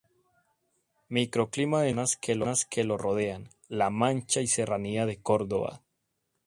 Microclima dentro de las zonas que lo rodean: La Mancha y Serranía de Córdoba.